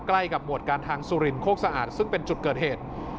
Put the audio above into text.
ใกล้กับหมวดการทางสุรินโคกสะอาดซึ่งเป็นจุดเกิดเหตุ